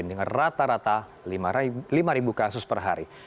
dengan rata rata lima kasus per hari